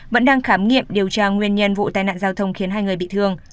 vẫn đang khám nghiệm điều tra nguyên nhân vụ tai nạn giao thông khiến hai người bị thương